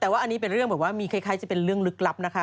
แต่ว่าอันนี้เป็นเรื่องแบบว่ามีคล้ายจะเป็นเรื่องลึกลับนะคะ